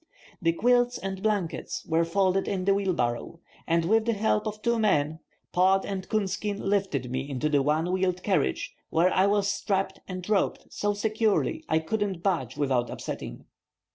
The quilts and blankets were folded in the wheelbarrow, and with the help of two men Pod and Coonskin lifted me into the one wheeled carriage, where I was strapped and roped so securely I couldn't budge without upsetting.